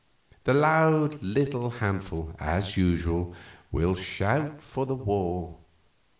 The loud little handful as usual will shout for the war.